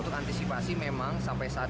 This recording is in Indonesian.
untuk antisipasi memang sampai saat